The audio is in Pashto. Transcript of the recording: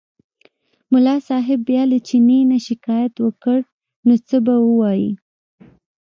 ملا صاحب بیا له چیني نه شکایت وکړ نو څه به ووایي.